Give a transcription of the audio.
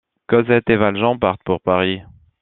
Cosette et Valjean partent pour Paris.